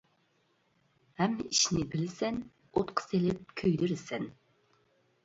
ھەممە ئىشنى بىلىسەن، ئوتقا سېلىپ كۆيدۈرىسەن.